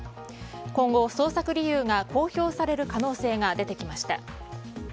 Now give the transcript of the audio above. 今後、捜索理由が公表される可能性が出てきました。